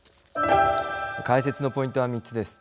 解説のポイントは３つです。